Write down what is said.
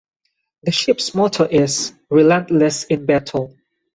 "The ships motto is "Relentless in Battle".